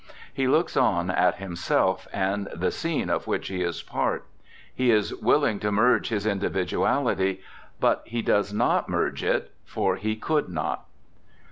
He looks on at himself and the scene of which he is part. He is willing to merge his individuality; but he does not merge it, for he could not.